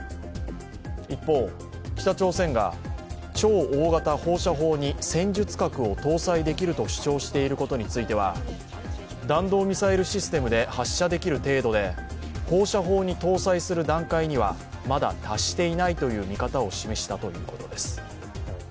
一方、北朝鮮が超大型放射砲に戦術核を搭載できると主張していることについては弾道ミサイルシステムで発射できる程度で放射砲に搭載する段階には、まだ達していないという見方を示したということです。